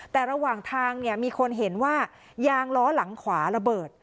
แต่ระหว่างทางเนี่ยมีคนเห็นว่ายางล้อหลังขวาระเบิด